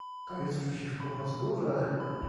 To jest przeciwko procedurze